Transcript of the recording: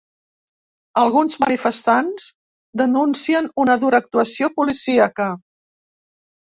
Alguns manifestants denuncien una dura actuació policíaca.